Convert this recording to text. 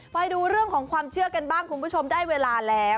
ไปดูเรื่องของความเชื่อกันบ้างคุณผู้ชมได้เวลาแล้ว